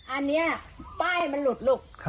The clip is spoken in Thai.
อันนี้ป้ายมันหลุดลูก